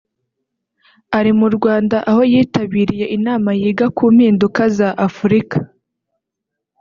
ari mu Rwanda aho yitabiriye inama yiga ku mpinduka za Afurika